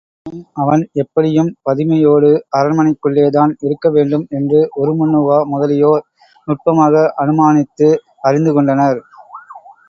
எனினும், அவன் எப்படியும் பதுமையோடு அரண்மனைக்குள்ளேதான் இருக்க வேண்டும் என்று உருமண்ணுவா முதலியோர் நுட்பமாக அனுமானித்து அறிந்துகொண்டனர்.